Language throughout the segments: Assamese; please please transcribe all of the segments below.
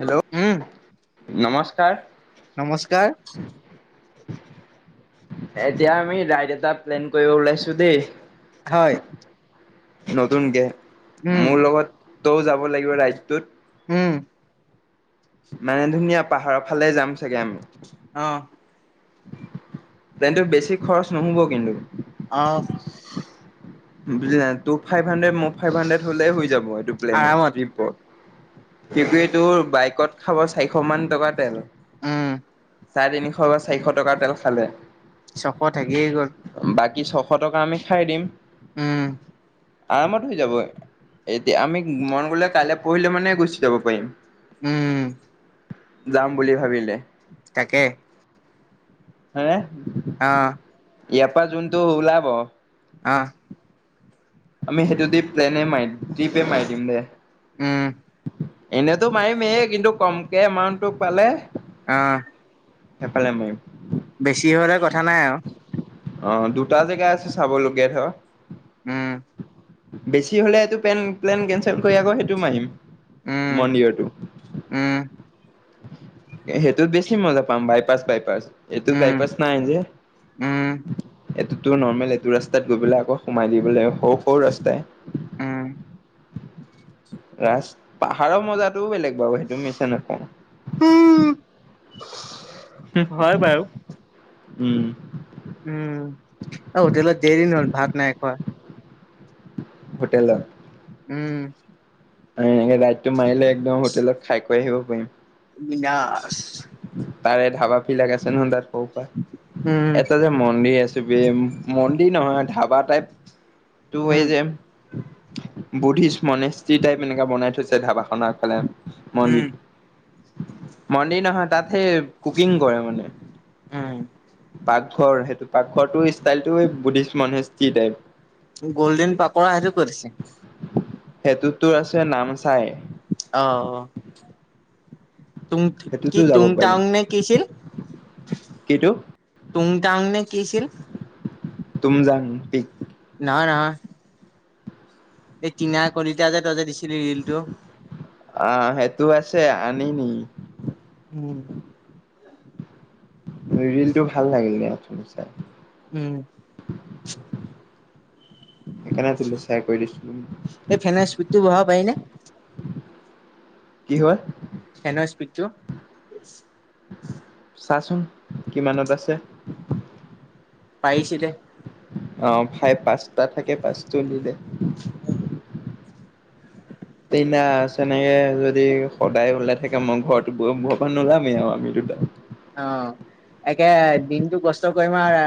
হেল্ল' উম নমস্কাৰ। কাৰ? নমস্কাৰ। এতিয়া আমি ৰাইট এটা প্লেন কৰিব ওলাইছো দেই। হয় নতুনকে উম মোৰ লগত তৌ যাব লাগিব ৰাইডটোত উম মানে ধুনীয়া পাহাৰৰ ফালে যাম চাগে আমি। অঁ। তেন্তটো বেছি খৰচ নহব কিন্তু। অ বুজি ন তাই ফাইভ হাড্ৰেড মই ফাইভ হাড্ৰেড হলে হৈ যাব এইটো প্লেন আৰামত ট্ৰিপত। কি এই তোৰ বাইকত খাব চাৰিশ মান টকা তেল। উম। চাৰে তিনিশ বা চাৰিশ টকাৰ তেল খালে চক থাকিয়েই গ'ল ব কি ছশ টকা আমি খাই দিম। উম। আৰামত হৈ যাব এতিয়া আমি মন গলে কাইলৈ পঢ়িলে মানে গুচি যাব পাৰিম। উম যাম বুলি ভাবিলে। তাকে, হে, আহ। ইয়াপা জোনটো ওলাব আহ। আমি সেইটো দি প্লেনে মাৰি দিম, ট্ৰিপে মাৰি দিম দে। উম। এনেতো মাৰিমেই, কিন্তু কমকে এমাউণ্টটো পালে আহ। সেইফালে মাৰিম। বেছি হ'লে, কথা নাই, আৰু অ', দুটা জেগা আছে, চাবলগীয়া ধৰ উম। বেছি হ'লে, এইটো পলেন প্লেন কেনচেল কৰি, আকৌ সেইটো মাৰিম। উম মন্দিৰতো উম সেইটো বেছি মজা পাম। বাইপাছ-বাইপাছ এইটো বাইপছ নাই যে, উম এইটো টো নৰ্মেল। এইটো ৰাস্তাত গৈ পেলাই আকৌ সোমাই দিব লাগিব, সৰু সৰু ৰাস্তাই উম। ৰাস, পাহাৰৰ মজাটোও বেলেগ বাৰু সেইটো মিছা নকওঁ। উম হয় বাৰু [unintelligible] উম। উম, আৰু হোটেলত কেইদিন হ'ল, ভাত নাই খোৱা। হোটেলত উম। [unintelligible] মাৰিলে, একদম হোটেলত খাই গৈ আহিব পাৰিম। বিন্দাছ। তাৰে ধাবাবিলাক আছে নহয়, তাত। ক' পৰা, উম এটা যে মন্দিৰ আছে। মন্দিৰ নহয়, ধাবা টাইপ তটো হৈ উম যে [unintelligible] বুদ্ধিষ্ট মনেস্ত্ৰী টাইপ, এনেকাে বনাই থৈছে, ধাবা আগফালে উম মন্দিটো [unintelligible] মন্দিৰ নহয়, তাত সেই কুকিং কৰে মানে। উম পাকঘৰ, সেইটো পাকঘৰটো, ষ্টাইলটো বুদ্ধিষ্ট মনস্থ্ৰী টাইপ। গ'ল্ডেন পাকৰা সেইটো ক'ত আছে? সেইটো তো আছে নামচাই। অহ অহ। টুং কি সেইটোতো যাব পাৰি। টুংটাংনে কি আছিল কিটো টুংটাংনে কি আছিল। তুম জাং পিক নহয় নহয়। এই টিনা কলিতা যে তই যে দিছিলি ৰিলটো। আহ সেইটো আছে আনিনি। উম। ৰিলটো ভাল লাগিল ন চাই। উম। সেইকাৰণে তোলে চেয়াৰ কৰি দিছো। পাৰিনে? কি হয়? ফেনৰ স্পিডটো চাচোন কিমানত আছে! পাৰিছোঁ দে। অ ফাইভ পাঁচটা থাকে পাঁচটো দি দে [unintelligible] যদি সদায় ওলাই থাকে। মই ঘৰত ঘৰপা নোলামেই আৰু আমি দুটা অ'! একে দিনটো কষ্ট কৰিম আৰু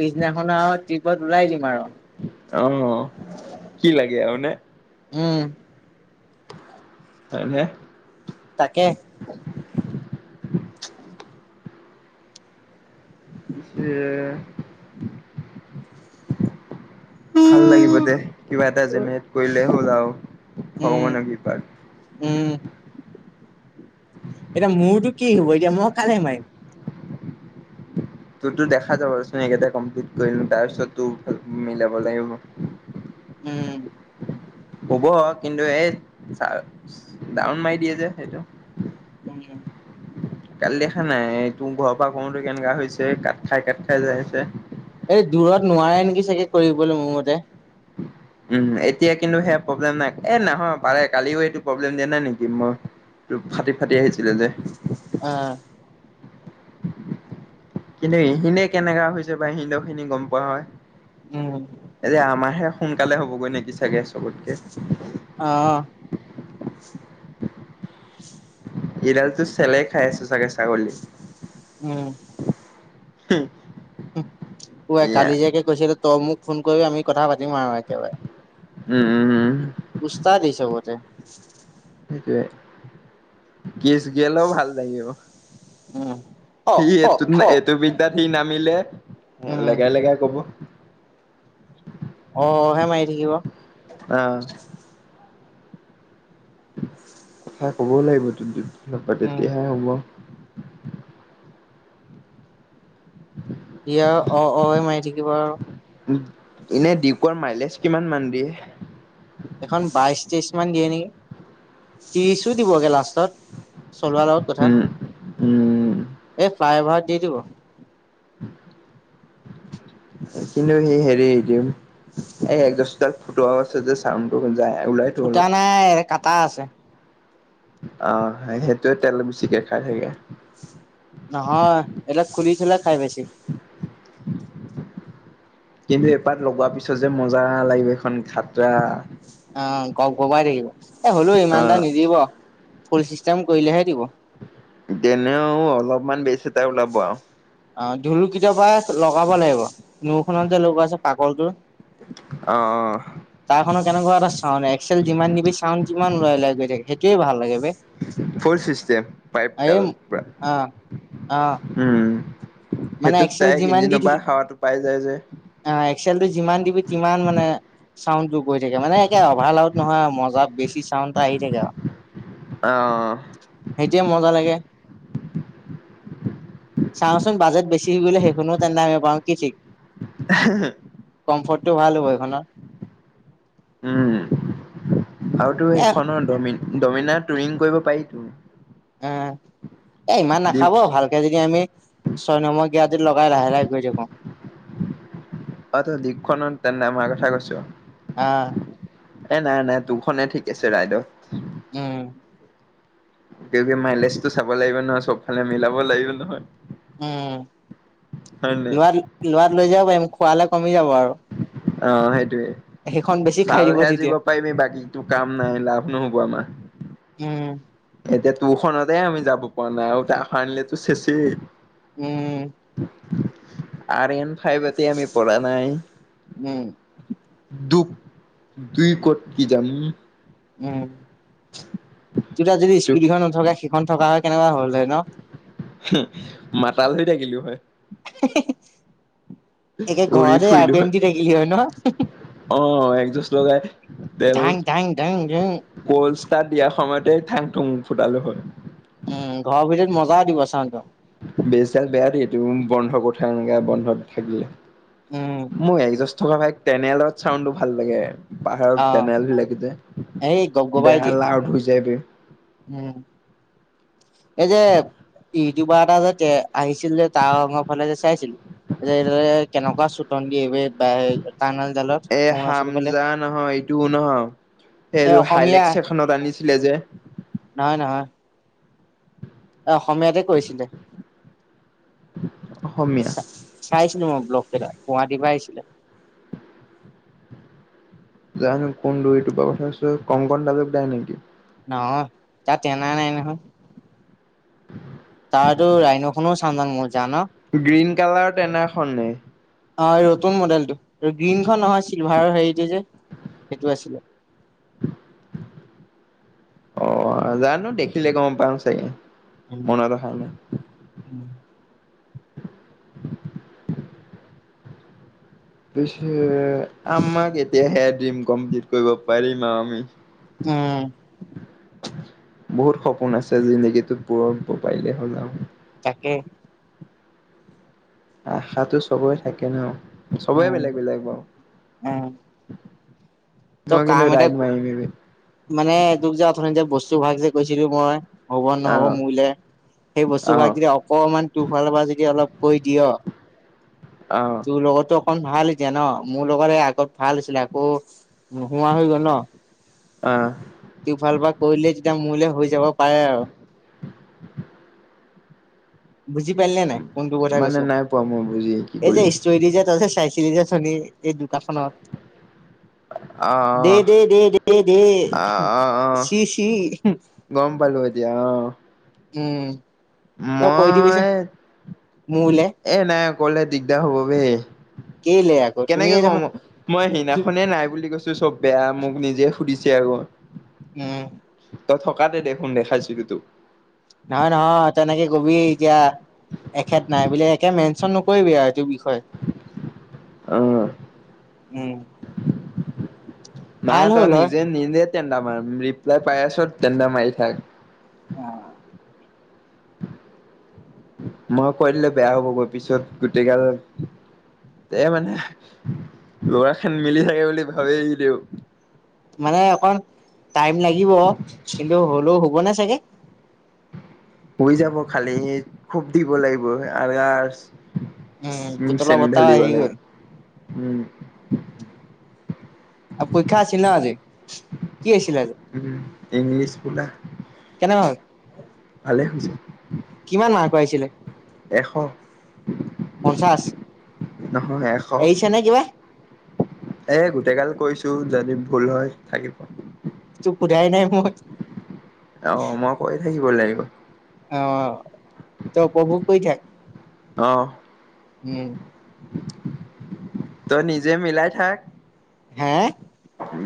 পিছদিনাখন আৰু ট্ৰিপত ওলাই দিম আৰু। অ'! কি লাগে আৰু মানে! উম! হয়নে! তাকে, [unintelligible] [unintelligible] [unintelligible] ভাল লাগিব উম দে। কিবা এটা যেন কৰিলে হ'ল আৰু ভগৱানৰ কৃপাত। উম এতিয়া মোৰতো কি হ'ব এতিয়া মই কালে মাৰিম তোৰতো দেখা যাব এইকেইটাই কমপ্লিট কৰি লওঁ। তাৰপিছত ত' মিলাব লাগিব। উম! হ'ব। কিন্তু, এই ডাউন মাৰি দিয়ে যে সেইটো। [unintelligible] কালি দেখা নাই। তোৰ ঘৰৰ পৰা কৰোঁতে কেনেকা হৈছে, কাত খাই, কাত খাই যাই আছে। এই দূৰত নোৱাৰে নেকি চাগে। কৰিবলৈ মোৰ মতে, উম! এতিয়া কিন্তু, সেয়া, প্ৰব্লেম নাই। এ, নহয় পাৰে। কালিও, এইটো প্ৰব্লেম দিয়া নাই নেকি? মই ফাটি, ফাটি আহিছিলে যে। অ'! কিন্তু, এইখিনিয়ে কেনেকা হৈছে বা হিন্দু খিনি গম পোৱা হয়। উম এতিয়া আমাৰহে সোনকালে হ'বগৈ নেকি চাগে চবতকে। অ'! এইডালতো চেলে খাই আছে চাগে ছাগলী। উম! হু! অ'! আই কালি জীয়েকে কৈছেগে তই মোক ফোন কৰি আমি কথা পাতিম আৰু একেবাৰে। উম! উম! উম! উচতাদ সি চবতে। সেইটোৱে। কি' [unintelligible] ভাল লাগিব, উম অ সি অ এইটো, অ এইটো বিদ্যাত সি নামিলে উম লগাই, লগাই ক'ব। অ'! অ'! হে মাৰি অ'। থাকিব। কথা ক'বও লাগিবতো উম তেতিয়া হে হ'ব। তেতিয়া অ'!, অ'! এ, মাৰি থাকিব আৰু। এনে ডিউকৰ মাইলেজ কিমান, মান দিয়ে? এইখন বাইশ, তেইশ মান দিয়ে নেকি, ত্ৰিশো দিবগে লাষ্ট- ত' চলোৱাৰ লগত কথা। উম, উম। এই ফ্লাই অভাৰত দি দিব। কিন্তু, সি হেৰি দিম, এই একজাস তাত ফটোৱাও আছে যে' চাউন টো? [unintelligible] ফুটা নাই, কাট- তা' আছে। অঁহ সেইটোয়ে, তেল বেছিকে খাই থাকে। নহয়। সেই বিলাক খুুলি- [unintelligible] লে খাই বেছি। কিন্তু, এপাত লগোৱাৰ পিছত যে' মজা লাগিব, এইখন খাতৰা। [unintelligible] আঁহ, গব-গবাই থাকিব। এ' হলে অ ইমান এটা নিদিব। [unintelligible] ফূল চিষ্টেম কৰিলে'হে দিব। [unintelligible] যেনেও' অলপমান বেছি- [unintelligible] ওলাব আৱ [unintelligible] তেওঁলোকৰ [unintelligible] লগাব লাগিব। নৈখনত যে লগোৱা আছে- পাগলটোৰ [unintelligible] অঁ, অঁ তাৰ খন'ন কেনেকুৱা এটা চাউড, এক্সেল যিমান দিবি চাউণ্ড সিমান ওলাই গৈ থাকে, সেইটোৱে ভাল লাগে বে। ফৰ্ চিষ্টেম পাইপ এই ডাল পোৰা। অ' অ' মানে সেইটোত দাইক ইঞ্জিনৰ পৰা হাৱাটো পাই যায় যে। অঁ, এক্সেলটো যিমান দিবি সিমান মানে চাউডটো গৈ থাকে। মানে' একে অভাৰ লাউড নহয় আৰু, মজা বেছি চাউণ্ড এটা আহি থাকে আৰু। অ [unintelligible] সেইটো'য়ে মজা লাগে। চাওঁচোন বাজেট বেছি হৈ গ'লে, সেইখনো তেন্তে আমি পাওঁ কি' ঠিক। আহ হে [unintelligible] টো ভাল হ'ব এইখনত। উম আৰুতো এ এখনৰ ডমিন। ডমিনা টুৰিং কৰিব পাৰি তো। অ এ ইমান নাখাব ডিউকচ ভালকে যদি আমি ছয় নমৰ গিঞাত লগাই লাহে লাহে গৈ থাকো। অ দক্ষীণ তেনে আমাৰ কথা কৈছ। [unintelligible] আহ এ নাই নাই তুৰখনে ঠিক আছে ৰাইড। উম মাইলেজটো চাব লাগিব নহয় চব ফালে মিলাব লাগিব নহয়। উম হয় নাই লৰা লাৰক লৈ যাব পাৰিম। খোৱালে কমি যাব আৰু। অ সেইটোয়ে। সেইখন বেছি খাই দিব চালহে যিব তেতিয়া। পাৰিবি বাকিটো কাম নাই লাভ নহ'ব আমাৰ। উম। এতিয়া তোৰখনতে আমি যাব পৰা নাই, আৰু এটা আহ আনিলেতো চেইচেই। উম। আৰেন। খাই পাতি আমি পৰা নাই উম, দুখ। দুই কত কি যাম। উম' তোৰ তাত যদি স্পিডখন নথকা। এখন থকা হয় কেনেকুৱা হ'ল হয় ন। মাতাল ধৰি থাকিলো হয়। [unintelligible] একে উৰি ঘৰতে আৰ ফুৰিলো পি এম হয়, দি থাকিলি হয় ন? অ একজেষ্ট লগাই তেল ধাং ধাং ধাং ধাং। কলষ্টা দিয়া সময়তে থাং থুং ফুটালো হয়। উম, ঘৰৰ ভিতৰত মজাও দিব চাওঁ চাউণ্ডটো। বেজডাল বেয়া দিয়ে এইটো ৰুম বন্ধ কঠা এনেকা বন্ধত থাকিলে। উম, মই একজষ্ট। থকা বাইক তেটনেলত চাউণ্ডটো ভাল লাগে। পাহাৰত অ' তেটেনেল বিলাগ যে এই গপগপাই বেয়া দিয়ে। লাৰ্ড হৈ যায় বে। উম, এই যে ইউটিউবাৰ এটা যে আহিছিল যে তাওনৰ ফালে যে চাইছিলি যে এই কেনেকুৱা চুতন দিয়ে বে বাই। এ, হাম যা নহয় এইটোও নহয় এই এইটো অসমীয়া হাইলেক্স এখনত আনিছিলে যে। নহয় নহয়। অসমীয়াতে কৈছিলে। [inaudible] চাইছিলো মই ব্লক। গুৱুৱাহাটীৰ পৰা আহিছিলে। জানো কোন দুইটোৰপ কথা আছ কং কনতালোক দাই নেকি। নহয় তা তেনা নাই নহয় [unintelligible] তাৰতো ৰাইন'খননো চানদান ম। গ্ৰীণ কালাৰ তেনে। খনে। অ, ৰতুন মডেলটো গ্ৰীণখন নহয় চিলভাৰৰ সেৰিটো যে সেইটো আছিলে। অ, জানোঁ দেখিলে গম পাম চাগে। উম মই নাইদেখা ন। কৈছে আমাক এতিয়া হে ড্ৰিম কমপ্লিট কৰিব পাৰিম আৱ আমি উম [unintelligible] বহুত সপোন আছে জিন্দিগিটোত পোৰণ হ'ব পাৰিলে হ'ল আৱ উম আশাটো চবই থাকে ন চবেই উম বেলেগ বেলেগ বাৱ উম ত ম‌ই কাম কিন্ত এটা ৰাই মাহিম মানে তোক যে অথনি যে বস্তু ভাগ যে কৈছিলোঁ মই হ'ব নহ'ব আহ মোলে সেই বস্তুভাগ আহ যদি অকমান তোৰফালৰ পৰা যদি অলপ কৈ দিয় আহ তোৰ লগতো ন ভাল এতিয়া ন মোৰ লগ আগত ভাল আছিলে আকৌ নোহোৱা হৈ গল ন অহ তোৰ ফালৰ পৱা কৰিলে তেতিয়া মোলে হৈ যাব পাৰে আৰু বুজি পালিনে নাই কোনটো কথা মানে কৈছোঁ, নাই পোৱা মই বুজি কি এই যে কলি। ষ্টৰি দি যে তই যে চাইছিলি যে অথনি এই দোকাখনত দে আহ দে দে দে দে আহ আহ আহ। চি চি গম পালো এতিয়া অহ। উম তই কৈ দিবিচোন মই মোলে এ নাই কলে দিগদাৰ হ'ব বে কেলে আকৌ কেনেকে তুমিয়ে কওঁ দেখোন মই সিদিনাখনে নাই বুলি কৈছোঁ চব বেয়া মোক নিজে সুধি ছে আগত উম তই থকাতে দেখোন দেখাইছিলো তোক নহয় নহয় তেনেকে কবি এতিয়া এখেত নাই বোলে একে মে। ত নকৰিবিয়া এইটো। বিষয়ে অ উম নাই ভাল তই হ'ল হয় নিজে নি নে। তেন্তা মাৰ ৰিপ্লাই পাই আছ তেন্তা মাৰি থাক। অ মই কৈ দিলে বেয়া হ'ব গৈ পিছত গোটেই গাল এ মানে লৰাখিনি মিলি থাকে বুলি ভাবে ভি। মানে অকণ। টাইম লাগিব কিন্তু হ'লেও হুব নে চাগে। উৰি যাব খালি খুব দিব লাগিব আৰাছ। উম পুতলা বত্তাও আহি লাগিব গ'ল। উম। আৰু পৰীক্ষা আছিল [unintelligible] উম ইংলিছ কুলা কেনেকুৱা হ'ল ভালে হৈছে। পাইছিলে এশ, পঞ্চাশ নহয় এশ, এৰিছে নে কিবা এ গোটেই গাল কৰিছোঁ, যদি ভুল হয় থাকিব। সুধাই নাই মই। অ'হ মই কৰি থাকিব লাগিব। অ! ত' উপভোগ কৰি থাক। অহ! উম! তই নিজে মিলই থাক। হা?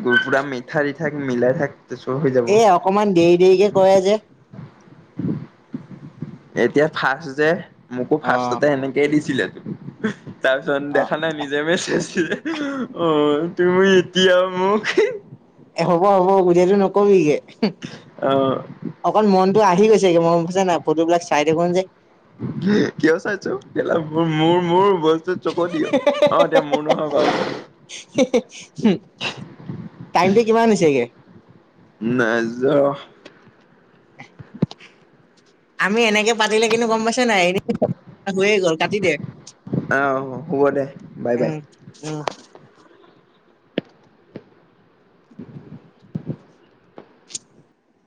গৰুপুৰা মিঠা দি থাক, মিলাই থাক। তাৰপিছত হৈ যাব এ অকমান দেৰি দেৰিকে কৰে যে! এতিয়া ফাৰ্ষ্ট যে। মোকো অ ফাৰ্ষ্টতে সেনেকেই দিছিলে, তাৰপিছত অ দেখা নাই নিজে মেছেজ, অ' তুমি কিয় মোক এ হ'ব! হ'ব! গোটেইটো নকবি গে। অ'হ! তো আহি গৈছেগে, মোৰ বুইছা নাই? ফটোবিলাক চাই থাকো যে কিয় চাইছ? কেলা! মোৰ, মোৰ, মোৰ বস্তুত চকু দিয়! অ এতিয়া মোৰ নহয় বাওঁ। টাইমটো কিমান হৈছেগে নাই যোৱা ৰহ! আমি এনেকে পাতিলে কিন্তু গম পাইছ? নাই? এনে হৈয়ে গল কাটি দে। আহ হ'ব দে বাই বাই উম! উম! [unintelligible]